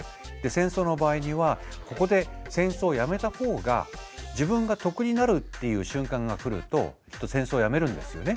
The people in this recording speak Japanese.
戦争の場合にはここで戦争をやめた方が自分が得になるっていう瞬間が来るときっと戦争をやめるんですよね。